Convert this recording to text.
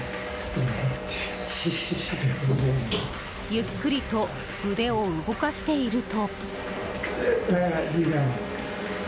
ゆっくりと腕を動かしていると。